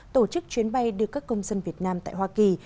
tổ chức chuyến bay đưa các công dân việt nam tại hoa kỳ